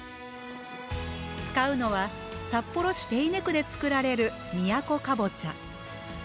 使うのは札幌市手稲区で作られるみやこ南瓜。